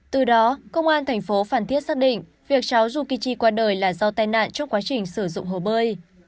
từ đó công an tp phan thiết xác định việc cháu yukichi qua đời là do tai nạn trong quá trình sử dụng hồ bơi